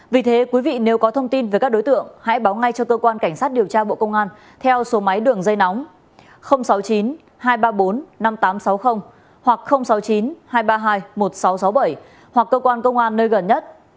vì thế quý vị nếu có thông tin về các đối tượng hãy báo ngay cho cơ quan cảnh sát điều tra bộ công an theo số máy đường dây nóng sáu mươi chín hai trăm ba mươi bốn năm nghìn tám trăm sáu mươi hoặc sáu mươi chín hai trăm ba mươi hai một nghìn sáu trăm sáu mươi bảy hoặc cơ quan công an nơi gần nhất